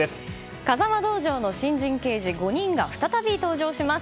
風間道場の新人刑事５人が再び登場します。